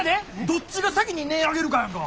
どっちが先に音ぇ上げるかやんか。